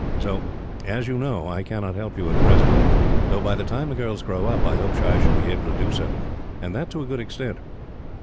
So, as you know, I cannot help you at present though, by the time the girls grow up, I hope I shall be able to do so, and that to a good extent.